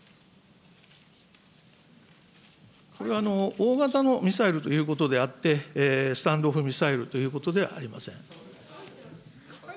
大型のミサイルということでスタンド・オフ・ミサイルということではありません。